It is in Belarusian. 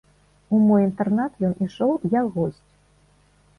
У мой інтэрнат ён ішоў як госць.